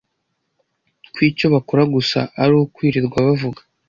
ko icyo bakora gusa ari ukwirirwa bavuga